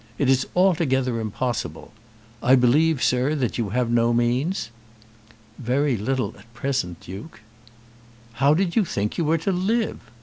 It is altogether impossible. I believe, sir, that you have no means?" "Very little at present, Duke." "How did you think you were to live?